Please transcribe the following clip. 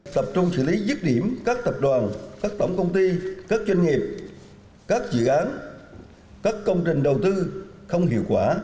tập trung xử lý dứt điểm các tập đoàn các tổng công ty các doanh nghiệp các dự án các công trình đầu tư không hiệu quả